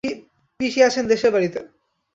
পিসি আছেন দেশের বাড়িতে।